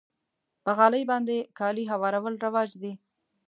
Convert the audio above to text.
په غالۍ باندې کالي هوارول رواج دی.